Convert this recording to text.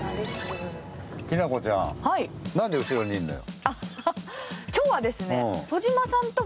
きなこちゃん、なんで後ろにいるんだよ。